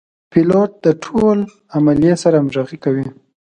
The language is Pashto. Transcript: پیلوټ د ټول عملې سره همغږي کوي.